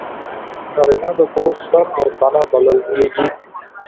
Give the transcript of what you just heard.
نارینه د کور سر او تنه بلل کېږي.